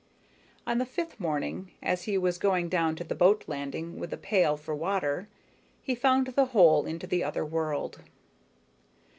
On the fifth morning, as he was going down to the boat landing with a pail for water, he found the hole into the other world.